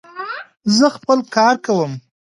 زه خپل کار کوم.